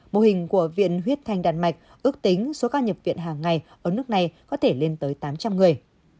mô hình của viện huyết thanh đan mạch ước tính số ca nhập viện hàng ngày ở nước này có thể lên tới tám trăm linh người